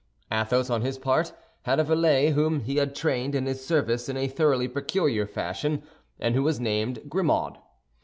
Athos, on his part, had a valet whom he had trained in his service in a thoroughly peculiar fashion, and who was named Grimaud.